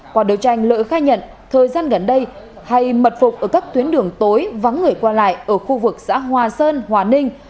qua đấu tranh lợi khai nhận thời gian gần đây hay mật phục ở các tuyến đường tối vắng người qua lại ở khu vực xã hòa sơn hòa ninh